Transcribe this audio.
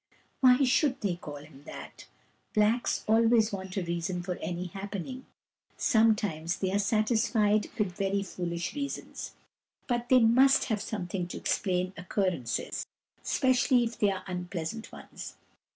Why should they call him that ? Blacks always want a reason for any happen ing. Sometimes they are satisfied with very foolish reasons ; but they must have something to explain occurrences, especially if they are unpleasant ones.